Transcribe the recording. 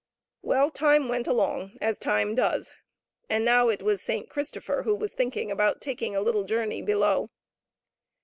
Well, time went along as time does, and now it was Saint Christopher who was thinking about taking a little journey below.